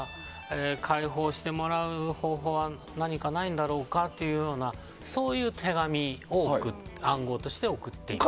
解放してもらう方法は何かないだろうかというそういう手紙を暗号として送っています。